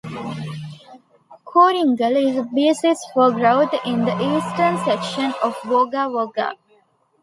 Kooringal is the basis for growth in the eastern section of Wagga Wagga.